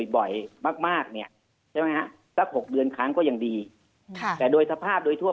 บ่อยมากเนี่ยใช่ไหมฮะสัก๖เดือนครั้งก็ยังดีแต่โดยสภาพโดยทั่ว